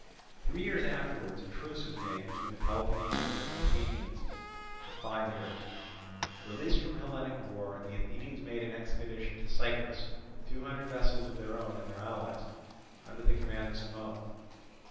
Three years afterwards a truce was made between the Peloponnesians and Athenians for five years. Released from Hellenic war, the Athenians made an expedition to Cyprus with two hundred vessels of their own and their allies, under the command of Cimon.